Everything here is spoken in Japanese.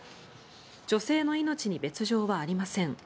女性の命に別条はありません。